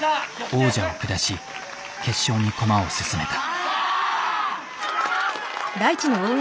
王者を下し決勝に駒を進めた。